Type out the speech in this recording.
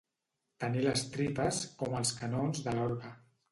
Tenir les tripes com els canons de l'orgue.